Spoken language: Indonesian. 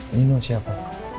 ini noh siapa